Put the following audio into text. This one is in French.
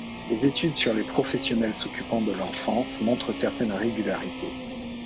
Les études sur les professionnels s'occupant de l'enfance montrent certaines régularités.